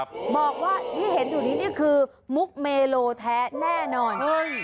บอกว่าที่เห็นอยู่นี้นี่คือมุกเมโลแท้แน่นอน